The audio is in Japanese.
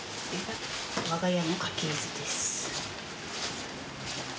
我が家の家系図です。